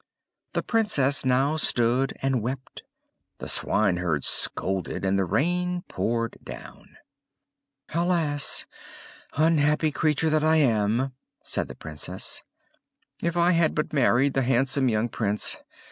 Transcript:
The Princess now stood and wept, the swineherd scolded, and the rain poured down. "Alas! Unhappy creature that I am!" said the Princess. "If I had but married the handsome young Prince!